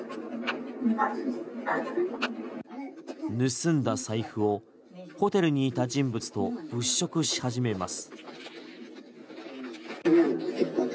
盗んだ財布をホテルにいた人物と物色し始めます。